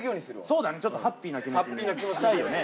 そうだねちょっとハッピーな気持ちに。